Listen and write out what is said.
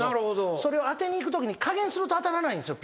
それを当てにいくときに加減すると当たらないんですよ